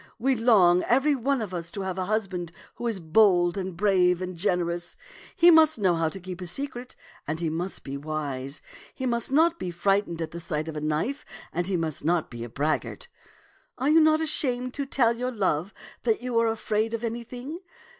We long, every one of us, to have a husband who is bold and brave and generous. He must know how to keep a secret, and he must be wise. He must not be frightened at the sight of a knife, and he must not be a braggart. Are you not ashamed to tell your love that you are afraid of anything